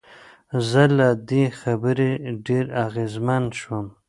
زه له دې خبرې ډېر اغېزمن شوم.